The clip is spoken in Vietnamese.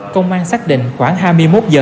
công an xác định khoảng hai mươi một giờ